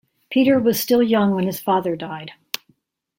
Peter was still young when his father died.